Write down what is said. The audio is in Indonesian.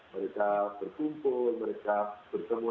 mereka berkumpul mereka bertemu